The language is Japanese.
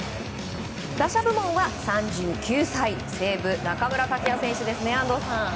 打者部門は３９歳西武、中村剛也選手ですね安藤さん。